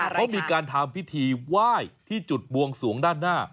เขามีการทำพิธีไหว้ที่จุดบวงสวงด้านหน้า